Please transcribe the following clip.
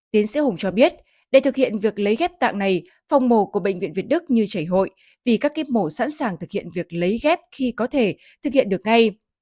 tiến sĩ hùng cho biết để thực hiện việc lấy ghép tạng này phòng mổ của bệnh viện việt đức như chảy hội vì các kiếp mổ sẵn sàng thực hiện việc lấy ghép khi có thể thực hiện được ngay